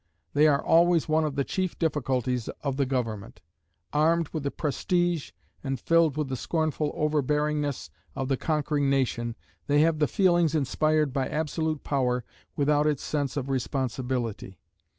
They are always one of the chief difficulties of the government. Armed with the prestige and filled with the scornful overbearingness of the conquering nation, they have the feelings inspired by absolute power without its sense of responsibility.